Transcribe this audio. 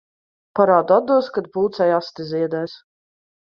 Parādu atdos, kad pūcei aste ziedēs.